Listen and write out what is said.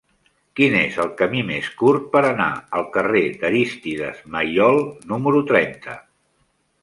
Quin és el camí més curt per anar al carrer d'Arístides Maillol número trenta?